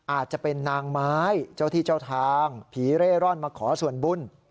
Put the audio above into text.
อาจจะเป็นนางไม้เจ้าที่เจ้าทางผีเร่ร่อนมาขอส่วนบุญ